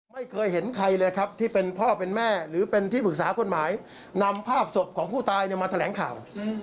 ไม่เคยเห็นใครเลยครับที่เป็นพ่อเป็นแม่หรือเป็นที่ปรึกษากฎหมายนำภาพศพของผู้ตายมาแถลงข่าว